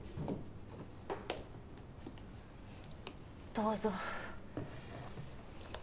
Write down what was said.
どうぞ。